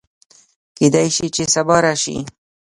کېدی شي چې سبا راشي